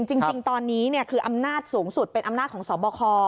จริงตอนนี้คืออำนาจสูงสุดเป็นอำนาจของสบค